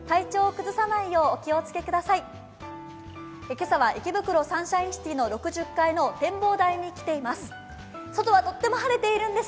今朝は池袋サンシャインシティ６０の展望台に来ています。